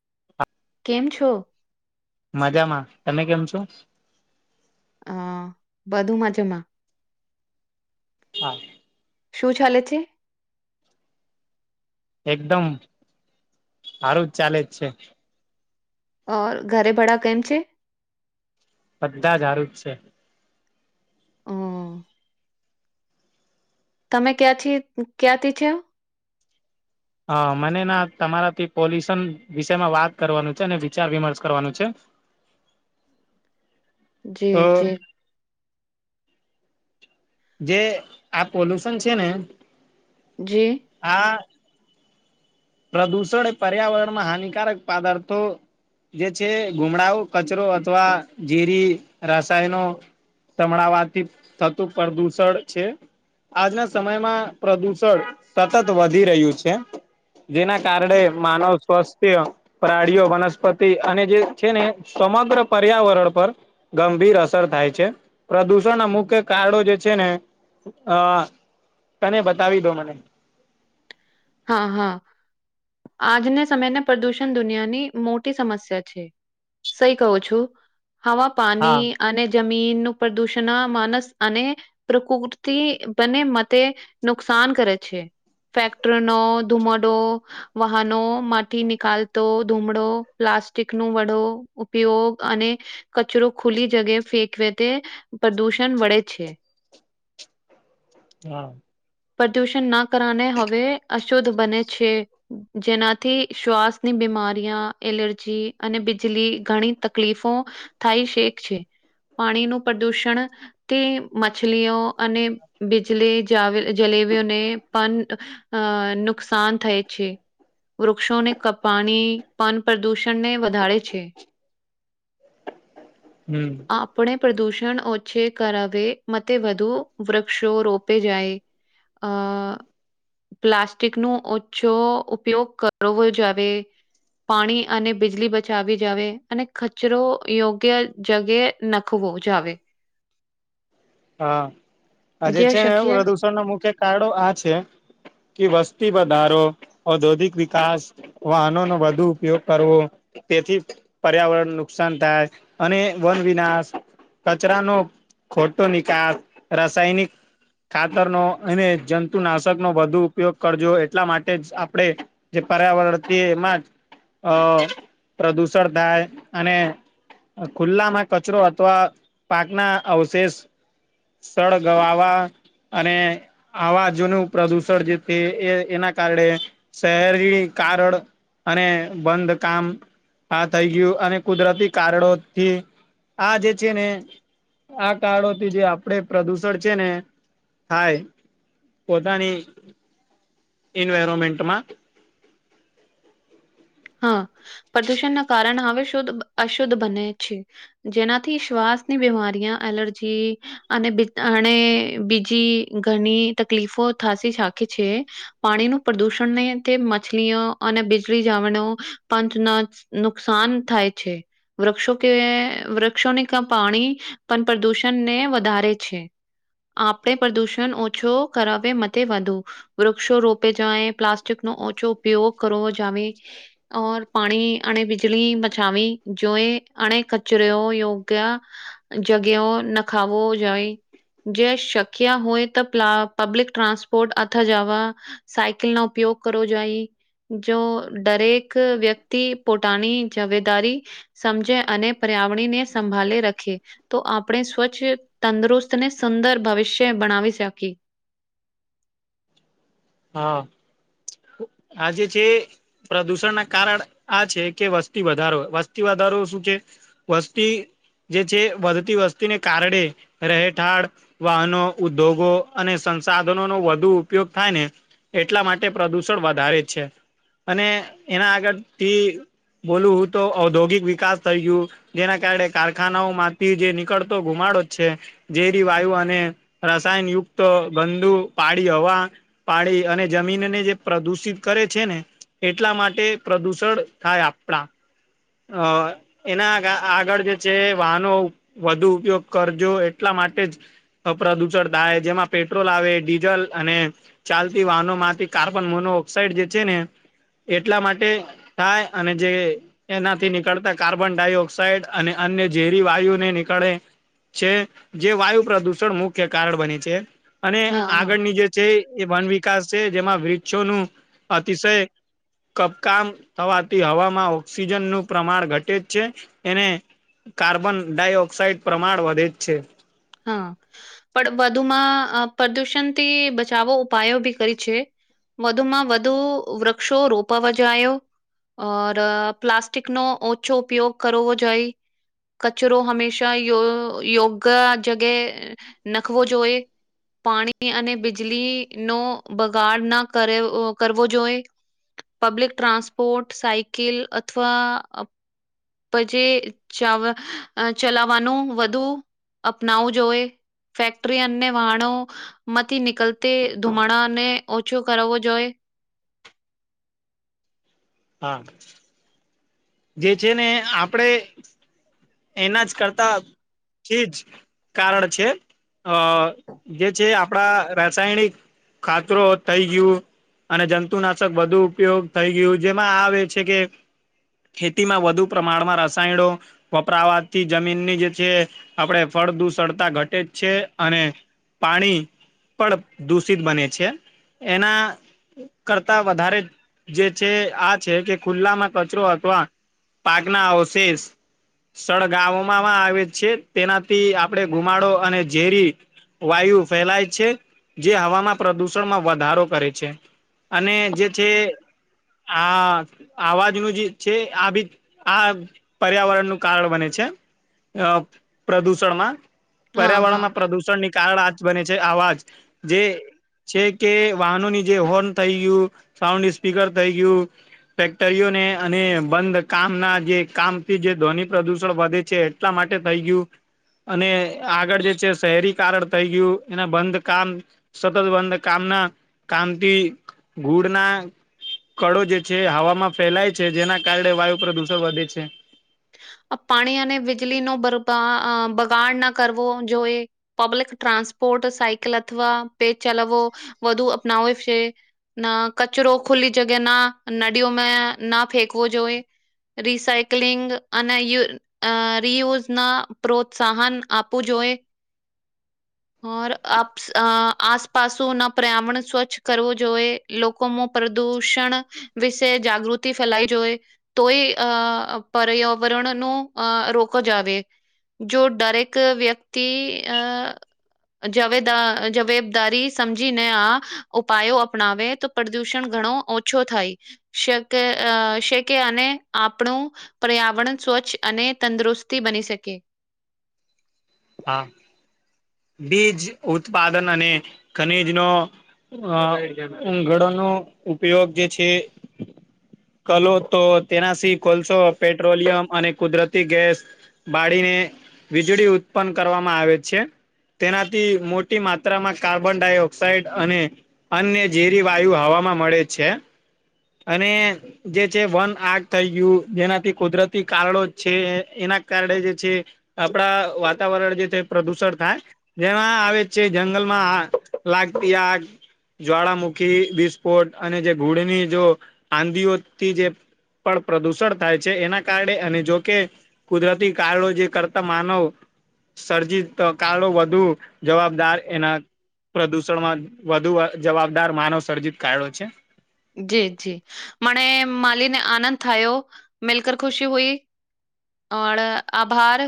[inaudible] કેમ છો? મજામાં તમે કેમ છો? અ બધું મજામાં હા. શું ચાલે છે? એકદમ હારું જ ચાલે જ છે. અ ઘરે ભડા કેમ છે. બધા જ હારુ જ છે. અ તમે ક્યાંથી ક્યાંથી છે? અ મને ના તમારાથી પોલ્યુશન વિષમાં વાત કરવાનું છે, અને વિચાર વિમર્શ કરવાનું છે. [inaudible] જી જી જે આ પોલ્યુશન છે, ને જી આ પ્રદૂષણ એ પર્યાવરણમાં હાનિકારક પાદાર્થો જે છે, ગુમડાઓ, કચરો અથવા જીરી રસાયનો તમણાવાથી થતું પ્રદૂષણ છે. આજના સમયમાં પ્રદુષણ સતત વધી રહ્યું છે. જેના કારણે માનવ સ્વસ્થ્ય પ્રાડીઓ વનસ્પતિ અને જે છે, ને સમગ્ર પર્યાવરણ પર ગંભીર અસર થાય છે, પ્રદુષણ અમુકે કારણો જે છે, ને હા તને બતાવી દો મને હ હ. આજને સમયને પ્રદૂષણ દુનિયાની મોટી સમસ્યા છે. સહી કહું છું હવા હા પાની અને જમીનનું પ્રદુષણ માનસ અને પ્રકૃતિ બને મતે નુકસાન કરે છે, ફેક ત્રનો ધુમડો વાહનો માથી નિકાલતો ધૂમડો પ્લાસ્ટિકનો વડો ઉપયોગ અને કચરો ખુલી જગે ફેંકવે તે પ્રદુષણ વળે છે. હા. પ્રદુષણના કરને હવે અશુદ્ધ બને છે. જેનાથી શ્વાસની બીમારીયા એલર્જી અને બીજલી ઘણી તકલીફો થાય શેક છે, પાણીનું પ્રદૂષણ તે મછલીઓ અને બીજલી જાવે જલેબીઓને પન અ નુકસાન થાય છે. વૃક્ષોને કપાણી પન પ્રદૂષણને વધારે છે. હમ. આપણે પ્રદુષણ ઓછે કરવે મતે વધુ વધુ વૃક્ષો રોપે જાય અ પ્લાસ્ટિકનુ ઓછો ઉપયોગ કરવો જ આવે પાણી અને બીજલી બચાવી જાવે અને ખચરો યોગ્ય જગ્યા નખવો જાવે હા આ જે છે, ને પ્રદુષણના મુખ્ય કારણો આ છે. કે વસ્તી વધારો ઔદ્યોગિક વિકાસ વાહનોનો વધુ ઉપયોગ કરવો તેથી પર્યાવરણ નુકસાન થાય અને વન વિનાશ કચરાનો ખોટો નિકાસ રાસાયનિક ખાતરનો અને જંતુનાશકનો વધુ ઉપયોગ કરજો એટલા માટે જ આપણે જે પર્યાવરથી એમાં જ અ પ્રદુષણ થાય અને ખુલ્લામાં કચરો અથવા પાકના અવશેષ સળગવાવા અને આવાજોનું પ્રદુષણ જે છે, એ એના કારણે શહેરી કારણ અને બંધ કામ આ થઈ ગયું અને કુદરતી કારણોથી આ જે છે, ને આ કારણો જે આપડે પ્રદુષણ છે, ને થાય પોતાની ઈન્વાયરોમેન્ટમાં હ પ્રદુષણના કારણે હવે શુદ્ધ અશુદ્ધ બને છે. જેનાથી શ્વાસની બીમારીયાં એલર્જી અને બી અણે બીજી ઘણી તકલીફો થાશી સાખે છે. પાણીનું પ્રદુષણને તે મછલીઆં અને બિજલી જાવાનું પંચના નુકસાન થાય છે. વૃક્ષો કે વૃક્ષોનિકા પાણી પણ પ્રદૂષણને વધારે છે. આપણે પ્રદુષણ ઓછો કરાવે મતે વધુ વૃક્ષો રોપે જ્યાં એ પ્લાસ્ટિકનો ઓછો ઉપયોગ કરવો જાવે ઓર પાણી અને બિજલી મચાવી જોએ અને કચરો યોગ્ય જગ્યાઓ નખાવો જોઈ જે શક્ય હોય તો પ્લા પબલિક ટ્રાસપોર્ટ અથ જાવા સાયકલનો ઉપયોગ કરવો જોઈ જો દરેક ક વ્યક્તિ પોટાની જવેદારી સમજે અને પર્યાવરણીને સંભાલે રખે તો આપણે સ્વચ્છ તંદુરસ્તને સુંદર ભવિષ્ય બનાવી શકી હા આજે છે. પ્રદુષણના કારણ આ છે, કે વસ્તી વધારો વસ્તી વધારો શું છે. વસ્તી જે છે, વધતી વસ્તીને કારડે રહેઠાળ વાહનો ઉદ્યોગો અને સંસાધનોનો વધુ ઉપયોગ થાય ને એટલા માટે પ્રદુષણ વધારે જ છે અને એના આગળથી બોલું હું તો ઔદ્યોગિક વિકાસ થઇ ગયું. જેના કારણે કારખાનાઓ માંથી જે નીકળતો ધુમાડો છે. ઝેરી વાયુ અને રસાયણયુક્ત ગંદુ પાડી હવા પાણી અને જમીનને જે પ્રદુષિત કરે છે, ને એટલા માટે પ્રદુષણ થાય આપડા અ એના આગળ જે છે, વાહનો વધુ ઉપયોગ કરજો એટલા માટે જ અ પ્રદૂષણ થાય જેમાં પેટ્રોલ આવે ડીઝલ અને ચાલતી વાહનો માંથી કાર્બન મોનો ઓક્સાઈડ જે છે ને એટલા માટે થાય અને જે એનાથી નીકળતા કાર્બન ડાયોક્સાઇડ અને અન્ય ઝેરી વાયુ ને નીકળે છે જે વાયુ પ્રદુષણ મુખ્ય કારણ બની છે અને હા હા આગળની જે છે એ વન વિકાસ છે જેમાં વૃક્ષો નું અતિશય કપકામ થવાથી હવામાં ઓક્સિજનનું પ્રમાણ ઘટે જ છે એને કાર્બન ડાયોક્સાઇડ પ્રમાણ વધે છે. હા પણ વધુમાં આ પ્રદૂષણથી બચાવો ઉપાયો બી કરી છે. વધુમાં વધુ વૃક્ષો રોપવા જાયો. ઓર પ્લાસ્ટિક નો ઓછો ઉપયોગ કરવો જોઈ કચરો હંમેશા યો યોગ્ય જગાએ નખવો જોઈ. પાણી ની અને બીજલી નો બગાડ ના કરેવો કરવો જોએ. પબ્લિક ટ્રાન્સપોર્ટ સાયકીલ અથવા પછી ચા વા ચલાવવાનું વધુ અપનાવું જોએ ફેક્ટરી અને વાહણો માંથી નીકળતે ધુમાડાને ઓછો કરાવવો જોઈએ. હા. જે છે ને આપડે એના જ કરતા થીજ કારણ છે અ જે છે આપણા રાસાયણિક ખાતરો થઈ ગયું અને જંતુનાશક બધુ ઉપયોગ થઈ ગયું જેમાં આવે છે કે ખેતીમાં વધુ પ્રમાણમાં રસાયણો વપરાવાથી જમીનની જે છે આપણે ફળદૂષળતા ઘટે જ છે અને પાણી પણ દૂષિત બને છે એના કરતા વધારે જે છે આ છે કે ખુલ્લામાં કચરો અ અથવા પાકના અવશેષ સળગમાંમાં આવે છે તેનાથી આપણેે ગુમાડો અને ઝેરી વાયુ ફેલાય છે જે હવામાં પ્રદુષણમાં વધારો કરે છે. અને જે છે આ અવાજનું જે છે આ બી આ પર્યાવરણનું કારણ બને છે. અ પ્રદુષણમાં હા, હા. પર્યાવરણમાં પ્રદુષણ ની કારળ આ જ બને છે આવાજ જે છે કે વાહનોની જે હોર્ન થઈ ગયું સાઉન્ડ સ્પીકર થઈ ગયું. ફેક્ટરીઓને અને બંધ કામ ના જે કામથી જે ધ્વનિ પ્રદુષણ વધે છે એટલા માટે થઈ ગયું અને આગળ જે છે શહેરી કારણ થઈ ગયું એના બંધ કામ સતત બંધ કામના કામતી ઘુડના કળો જે છે હવામાં ફેલાય છે જેના કારણે વાયુ પ્રદુષણ વધે છે. પાણી અને વીજળીનો બરબાદ આ બગાડ ના કરવો જોઈએ. પબ્લિક ટ્રાન્સપોર્ટ સાયકલ અથવા પે ચલાવો વધુ અપનાવે છે. ના કચરો ખુલ્લી જગ્યા ના નળીઓમાં ના ફેંકવો જોઈએ. રિસાાઈકલિંગ અને યુ રિયુઝ ના પ્રોત્સાહન આપવું જોઈ ઓર આપ આસપસો ના પર્યાવરણ સ્વચ્છ કરવું જોઈએ લોકોમાં પ્રદુષણ વિશે જાગૃતિ ફેલાવી જોઈ તોય અ પર્યાવરણ નું અ રોક જ આવે. જો દરેક વ્યક્તિ આ જવેદા જવેબદારી સમજીીને આ ઉપાયો અપનાવે તો પ્રદૂષણ ઘણો ઓછો થાય શકે આ શેકે અને આપણું પર્યાવરણ સ્વચ્છ અને તંદુરસ્તી બની શકે હા બીજ ઉત્પાદન અને ખનીજનો હ ઉંગળોનો ઉપયોગ જે છે કલો તો તેનાથી કોલસો પેટ્રોલિયમ અને કુદરતી ગેસ બાળીને વીજળી ઉત્પન્ન કરવામાં આવે છે તેનાથી મોટી માત્રામાં કાર્બન ડાયોક્સાાઈડ અને અન્ય ઝેરી વાયુ હવામાં મળે છે અને જે છે વન આગ થઈ ગયું જેનાથી કુદરતી કારણો છે એના કારણે જે છે આપડા વાત વાતાવરણ જે છે પ્રદુષણ થાય જેમાં આવે છે જંગલમાં લાગતી આ જ્વાળામુખી વિસ્ફોટ અને જે ઘૂડની જો આંધીઓથી જે પણ પ્રદૂષણ થાય છે એના કારણે અને જોકે કુદરતી કારડો જે કરતા માનવ સર્જીત કાળો વધુ જવાબદાર એના પ્રદૂષણમાં વધુ જવાબદાર માનવ સર્જિત કાળો છે જી જી મને માલીને આનંદ થયો મિલકર ખુશી હુઈ ઓર આભાર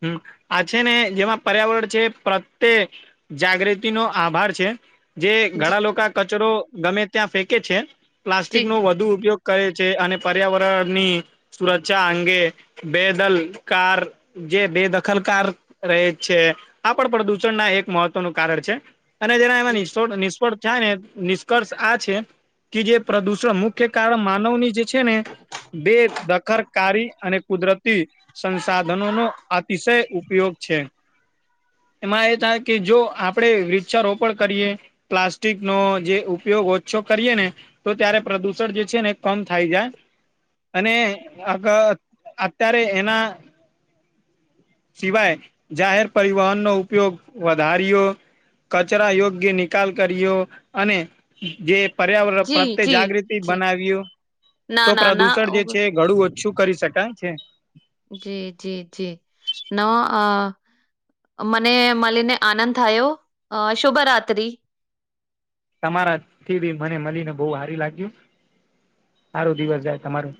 હમ્મ આ છે ને જેમાં પર્યાવરણ છે પ્રત્યે જાગૃતિ નો આભાર છે જે જી ઘણા લોકો કચરો ગમે ત્યાં ફેંકે છે પ્લાસ્ટિક જી નો વધુ ઉપયોગ કરે છે અને પર્યાવરણની સુરક્ષા અંગે બેદલ કાર જે બેદખલકાર રહે છે આ પણ પ્રદૂષણ ના એક મહત્વનું કારણ છે અને જી જેનામાંફ નિષ્ફળ થાય ને નિષ્કર્ષ આ છે કે જે પ્રદૂષણ મુખ્ય કારણ માનવની જે છે ને બે દખરકારી અને કુદરતી નો નો અતિશય ઉપયોગ છે એમાં એ થાય કે જો આપડે વૃક્ષારોપણ કરીએ પ્લાસ્ટિક નો જે ઉપયોગ ઓછો કરીએ ને તો ત્યારે પ્રદુષણ જે છે ને કમ થાય જાય અને અ અત્યારે એના સિવાય જાહેર પરિવહન નો ઉપયોગ વધારી્યો કચરા યોગ્ય નિકાલ કર્યો અને જે પર્યાવરણ પ્રત્યે જાગૃતિ બનાવ્યું તો પ્રદુષણ જે છે ઘડું ઓછું કરી શકાય છે જી જી જી નવા આ મને મળીને આનંદ થયો શુભરાતરી તમારા થી બી મને મળીને બહુ હારી લાગ્યું સારો દિવસ જાય તમારું